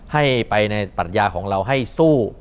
ให้ไปในปรัชญาของเราให้สู้